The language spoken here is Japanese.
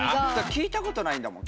聞いたことないんだもん。